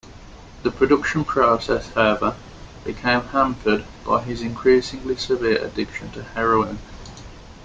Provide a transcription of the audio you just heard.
The production process, however, became hampered by his increasingly severe addiction to heroin.